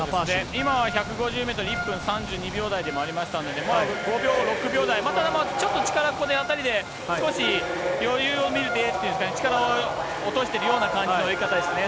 今は１５０メートル、１分３２秒台でありましたので、５秒、６秒台、ちょっと力、ここ辺りで少し余裕を見るっていうんですかね、力落としてるような感じの泳ぎ方ですね。